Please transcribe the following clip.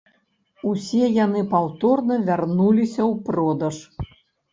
Усе яны паўторна вярнуліся ў продаж.